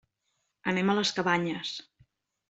Anem a les Cabanyes.